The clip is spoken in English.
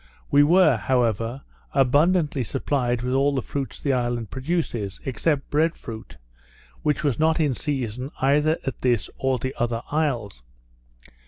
We were, however, abundantly supplied with all the fruits the island produces, except bread fruit, which was not in season either at this or the other isles.